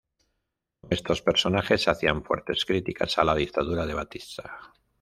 Con esos personajes hacían fuertes críticas a la dictadura de Batista.